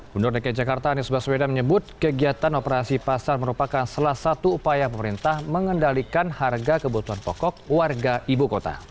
menurut dki jakarta anies baswedan menyebut kegiatan operasi pasar merupakan salah satu upaya pemerintah mengendalikan harga kebutuhan pokok warga ibu kota